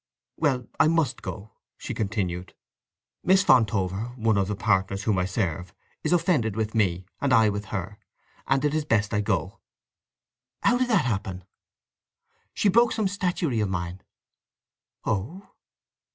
"Well—I must go," she continued. "Miss Fontover, one of the partners whom I serve, is offended with me, and I with her; and it is best to go." "How did that happen?" "She broke some statuary of mine." "Oh?